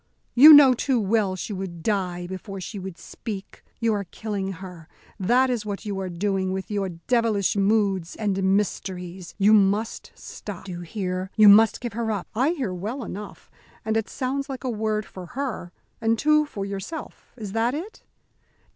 You know too well she would die before she would speak. You are killing her, that is what you are doing with your devilish moods and mysteries. You must stop. Do you hear? You must give her up." "I hear well enough, and it sounds like a word for her and two for yourself. Is that it?"